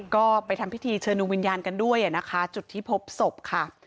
ก็ไปทำพิธีเชิญดวงวิญญาณกันด้วยนะคะจุดที่พบศพค่ะ